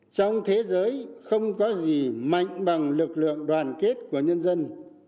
trong thế giới không có gì mạnh bằng lực lượng đoàn kết của nhân dân